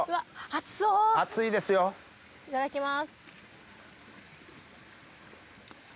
いただきます